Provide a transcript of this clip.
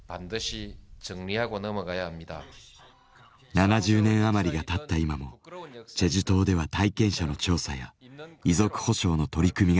７０年余りがたった今もチェジュ島では体験者の調査や遺族補償の取り組みが続いています。